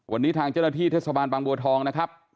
วันนี้ทางเจ้าหน้าที่เทศบาลบางบัวทองนะครับ